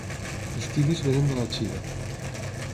Els kiwis venen de la Xina.